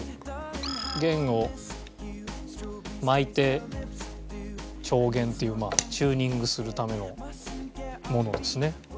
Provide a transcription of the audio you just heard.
弦を巻いて調弦っていうまあチューニングするためのものですね。